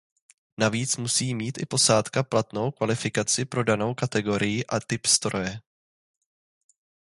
Navíc musí mít i posádka platnou kvalifikaci pro danou kategorii a typ stroje.